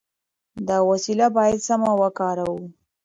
دا وسیله باید سمه وکاروو.